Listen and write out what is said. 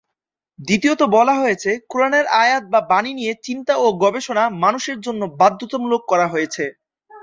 দ্বিতীয়ত বলা হয়েছে, কোরআনের আয়াত বা বাণী নিয়ে চিন্তা ও গবেষণা মানুষের জন্য বাধ্যতামূলক করা হয়েছে।